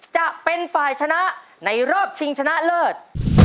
จะเป็นฝ่ายชนะในรอบชิงชนะเลิศ